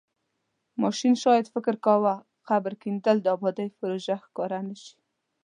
ماشین شاید فکر کاوه قبر کیندل د ابادۍ پروژه ښکاره نشي.